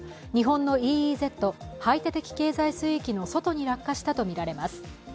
日本のＥＥＺ＝排他的経済水域の外に落下したとみられます。